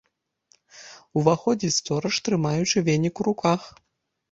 Уваходзіць стораж, трымаючы венік у руках.